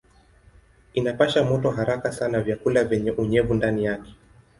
Inapasha moto haraka sana vyakula vyenye unyevu ndani yake.